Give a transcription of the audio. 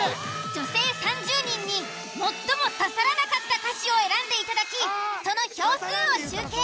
女性３０人に最も刺さらなかった歌詞を選んでいただきその票数を集計。